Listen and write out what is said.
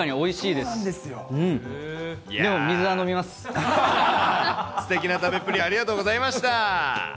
でも水すてきな食べっぷり、ありがありがとうございます。